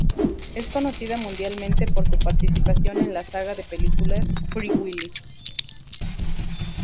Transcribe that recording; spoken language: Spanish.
Es conocida mundialmente por su participación en la saga de películas "Free Willy".